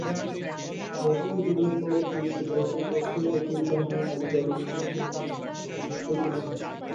যতই যুগের পর যুগপ্রবাহ চলিয়াছে, ততই তাহাও নব বলে বলীয়ান হইতেছে।